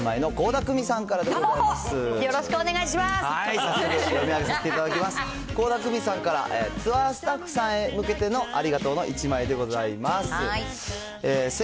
倖田來未さんから、ツアースタッフさんへ向けてのありがとうの１枚でございます。